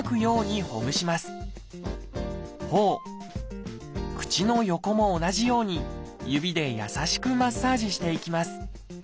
ほお口の横も同じように指で優しくマッサージしていきます。